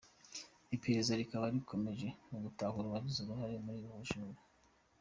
Iperereza rikaba rikomeje mu gutahura uwagize uruhare muri ubu bujura.